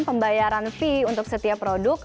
pembayaran fee untuk setiap produk